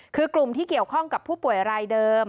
คือกลุ่มที่เกี่ยวข้องกับผู้ป่วยรายเดิม